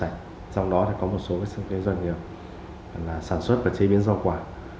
trong đó thì có một số doanh nghiệp sản xuất và chế biến rau quả